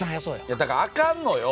いやだからあかんのよ。